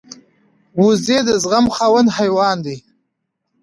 وزې د زغم خاوند حیوان دی